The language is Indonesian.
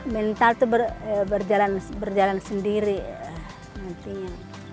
mental itu berjalan sendiri nantinya